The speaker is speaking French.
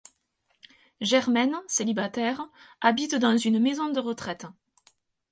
Germaine, célibataire, habite dans une maison de retraite.